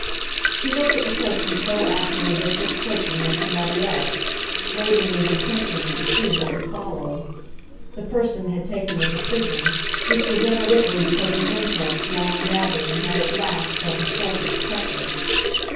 She looked at the person so acting as if this person were somebody else, waiting with intensity to see what would follow. The person had taken a decision which was evidently because an impulse long gathering had at last felt a sharpest pressure.